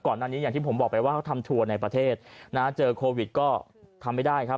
อันนี้อย่างที่ผมบอกไปว่าเขาทำทัวร์ในประเทศนะเจอโควิดก็ทำไม่ได้ครับ